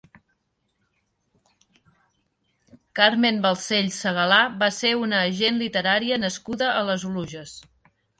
Carmen Balcells Segalà va ser una agent literària nascuda a les Oluges.